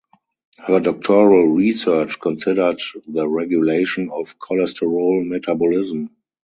Her doctoral research considered the regulation of cholesterol metabolism.